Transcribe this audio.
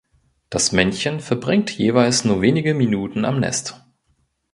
Das Männchen verbringt jeweils nur wenige Minuten am Nest.